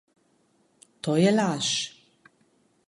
To je laž!